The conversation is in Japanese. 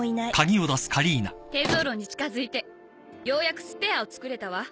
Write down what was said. テゾーロに近づいてようやくスペアを作れたわ。